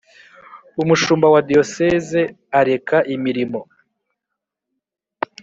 Umushumba wa Diyoseze areka imirimo